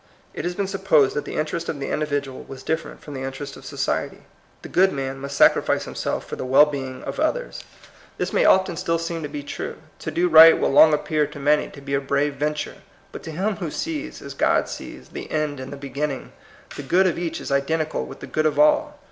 It has been sup posed that the interest of the individual was different from the interest of society. The good man must sacrifice himself for the well being of others. This may often 208 THE COMING PEOPLE. still seem to be true. To do right will long appear to many to be a brave ven ture. But to him who sees, as Godnees, the end in the beginning, the good of each is identical with the good of all.